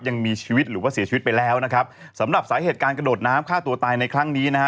ยังมีชีวิตหรือว่าเสียชีวิตไปแล้วนะครับสำหรับสาเหตุการกระโดดน้ำฆ่าตัวตายในครั้งนี้นะฮะ